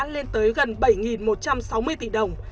lên tới gần bảy một trăm sáu mươi tỷ đồng